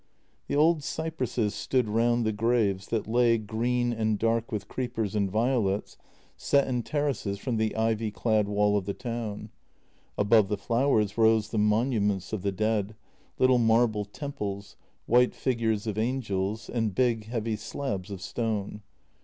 The old cypresses stood round the graves that lay, green and dark with creepers and violets, set in terraces from the ivy JENNY 295 clad wall of the town. Above the flowers rose the monuments of the dead, little marble temples, white figures of angels, and big, heavy slabs of stone.